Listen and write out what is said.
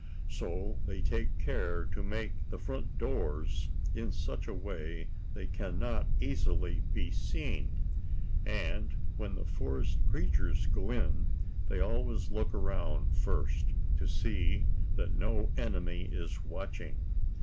So they take care to make the front doors in such a way they can not easily be seen, and when the forest creatures go in, they always look around first, to see that no enemy is watching.